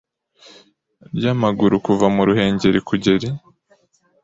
rw’amaguru kuva mu ruhengeri kuger i